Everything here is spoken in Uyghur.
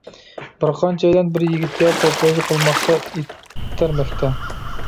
بىر قانچەيلەن بىر يىگىتكە پوپوزا قىلماقتا، ئىتتەرمەكتە.